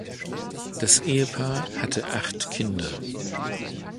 Das Ehepaar hatte acht Kinder.